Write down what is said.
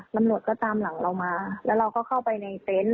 ตำรวจก็ตามหลังเรามาแล้วเราก็เข้าไปในเต็นต์